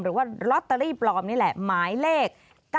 หรือว่าลอตเตอรี่ปลอมนี่แหละหมายเลข๙๙